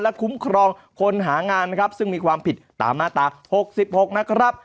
และคุ้มครองคนหางานซึ่งมีความผิดตามมาตรา๖๖